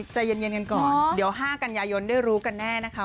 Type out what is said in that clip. ใจเย็นกันก่อนเดี๋ยว๕กันยายนได้รู้กันแน่นะคะ